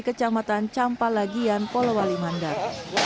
kecamatan campalagian pelawali mandar